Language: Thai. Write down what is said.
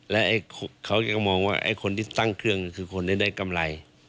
และเขาก็มองว่าไอ้คนที่ตั้งเครื่องคือคนที่ได้กำไร